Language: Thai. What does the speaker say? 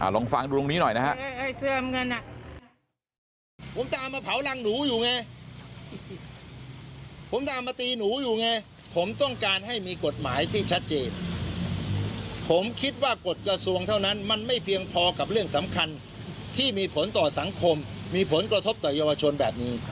ลองฟังดูตรงนี้หน่อยนะฮะ